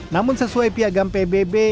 namun sesuai piagam pbb